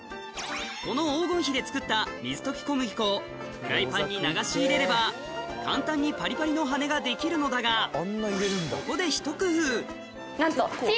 この黄金比で作った水溶き小麦粉をフライパンに流し入れれば簡単にパリパリの羽根ができるのだがなんと。